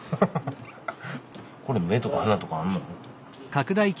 これ目とか鼻とかあんの？